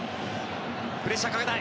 プレッシャーかけたい。